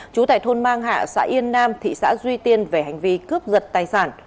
chú tại thôn mang hạ xã yên nam thị xã duy tiên về hành vi cướp giật tài sản